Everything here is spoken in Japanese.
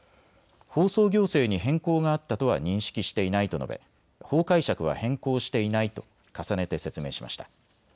放送行政に変更があったとは認識していないと述べ法解釈は変更していないと重ねて説明しました。